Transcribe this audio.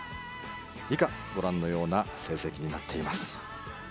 以下、ご覧のような成績になっています。